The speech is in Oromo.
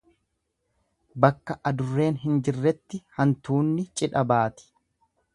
Bakka adurreen hin jirretti hantuunni cidha baati.